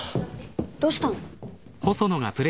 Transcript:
どうしたの？